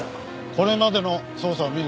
これまでの捜査を見る限りでは。